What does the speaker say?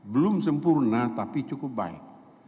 belum sempurna tapi cukup baik